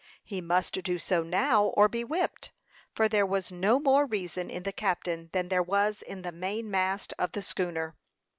He must do so now or be whipped; for there was no more reason in the captain than there was in the main mast of the schooner.